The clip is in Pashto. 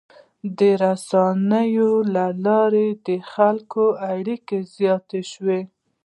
د رسنیو له لارې د خلکو اړیکې زیاتې شوي.